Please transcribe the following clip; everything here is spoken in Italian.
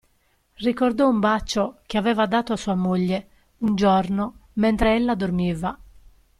Ricordò un bacio che aveva dato a sua moglie, un giorno, mentre ella dormiva.